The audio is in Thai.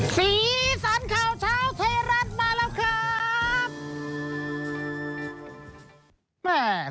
สีสันข่าวเช้าไทยรัฐมาแล้วครับ